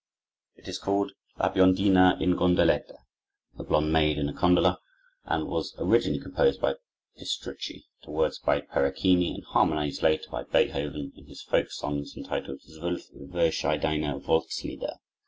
It is called "La Biondina in Gondoletta" ("the blond maid in a gondola"), and was originally composed by Pistrucci, to words by Peruchini, and harmonized later by Beethoven, in his folk songs, entitled "Zwölf verschiedene Volkslieder."